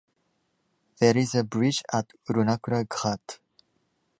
There is a bridge at Runakura Ghat.